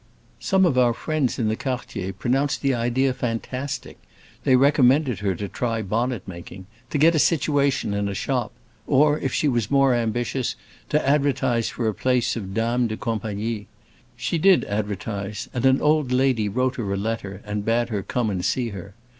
Some of our friends in the quartier pronounced the idea fantastic: they recommended her to try bonnet making, to get a situation in a shop, or—if she was more ambitious—to advertise for a place of dame de compagnie. She did advertise, and an old lady wrote her a letter and bade her come and see her.